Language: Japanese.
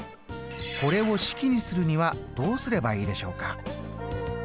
これを式にするにはどうすればいいでしょうか？